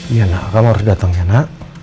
iya nak kamu harus datang ya nak